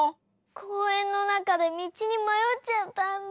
こうえんのなかでみちにまよっちゃったんだ。